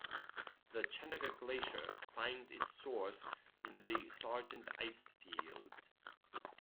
The Chenega Glacier finds its source in the Sargent Icefield.